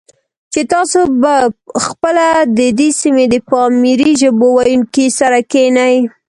چې تاسې په خپله د دې سیمې د پامیري ژبو ویونکو سره کښېنئ،